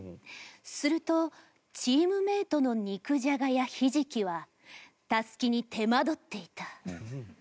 するとチームメートの肉じゃがやひじきはたすきに手間取っていた。